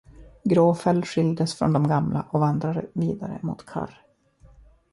Gråfäll skildes från de gamla och vandrade vidare mot Karr.